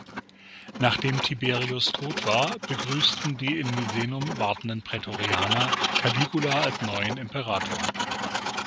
Nachdem Tiberius tot war, begrüßten die in Misenum wartenden Prätorianer Caligula als neuen Imperator.